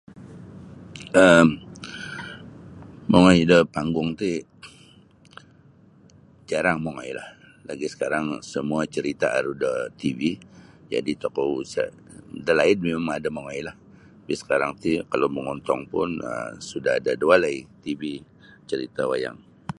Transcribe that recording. um mongoi da panggung ti jarang mongoilah lagi' sekarang semua cerita' aru da tv jadi tokou sa' dalaid mimang ada mongoilah sakarang ti kalau mongontong pun um sudah ada da walai tv cerita' wayang.